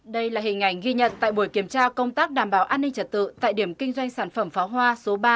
đây là hình ảnh ghi nhận tại buổi kiểm tra công tác đảm bảo an ninh trật tự tại điểm kinh doanh sản phẩm pháo hoa số ba